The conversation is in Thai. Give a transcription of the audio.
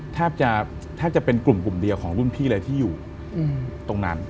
แทบจะเป็นกลุ่มเดียวของรุ่นพี่เลยที่อยู่ตรงนั้น